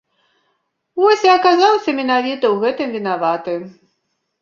Вось і аказаўся менавіта ў гэтым вінаваты.